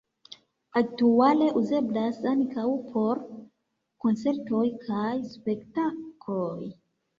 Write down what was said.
Aktuale uzeblas ankaŭ por koncertoj kaj spektakloj.